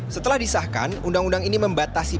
setelah disahkan undang undang ini membatasi